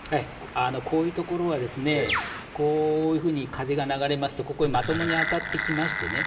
こういうところはですねこういうふうに風が流れますとここへまともに当たってきましてね